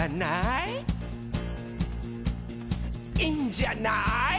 「いいんじゃない？」